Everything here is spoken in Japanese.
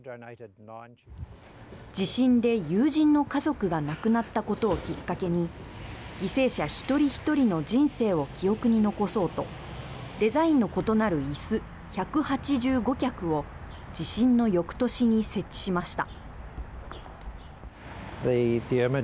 地震で友人の家族が亡くなったことをきっかけに犠牲者一人一人の人生を記憶に残そうとデザインの異なるいす１８５脚を地震のよくとしに設置しました。